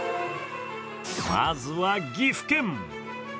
まずは岐阜県。